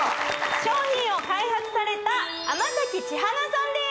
商品を開発された天咲千華さんです